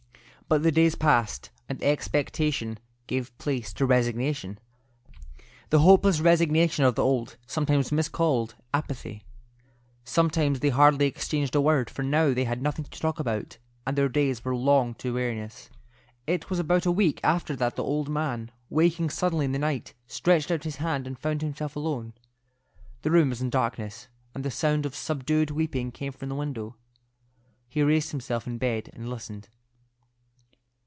But the days passed, and expectation gave place to resignation—the hopeless resignation of the old, sometimes miscalled, apathy. Sometimes they hardly exchanged a word, for now they had nothing to talk about, and their days were long to weariness. It was about a week after that the old man, waking suddenly in the night, stretched out his hand and found himself alone. The room was in darkness, and the sound of subdued weeping came from the window. He raised himself in bed and listened.